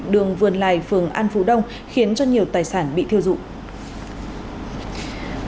đường vườn lài phường an phú đông khiến cho nhiều tài sản bị thiêu dụng